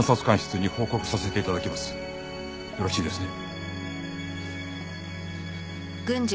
よろしいですね？